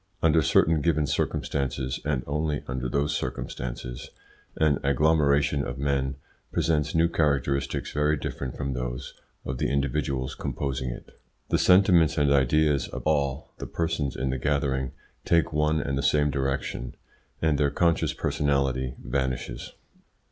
Under certain given circumstances, and only under those circumstances, an agglomeration of men presents new characteristics very different from those of the individuals composing it. The sentiments and ideas of all the persons in the gathering take one and the same direction, and their conscious personality vanishes.